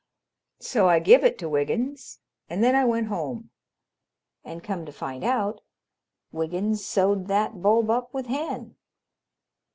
So I give it to Wiggins, and then I went home. And, come to find out, Wiggins sewed that bulb up with Hen."